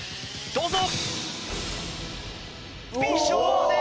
どうぞ。